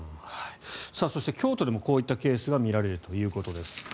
京都でもこういったケースが見られるということです。